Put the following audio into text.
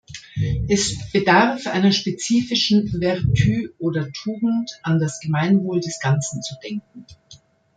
Es bedarf einer spezifischen "vertu" oder Tugend, an das Gemeinwohl des Ganzen zu denken.